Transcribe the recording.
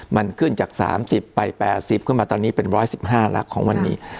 มันขึ้นจาก๓๐ไป๘๐ขึ้นมาตอนนี้เป็น๑๑๕แล้วของวันนี้